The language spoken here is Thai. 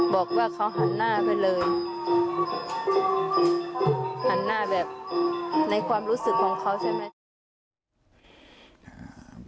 บอกว่าเขาหันหน้าไปเลยหันหน้าแบบในความรู้สึกของเขาใช่ไหม